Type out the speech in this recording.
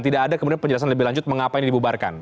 tidak ada kemudian penjelasan lebih lanjut mengapa ini dibubarkan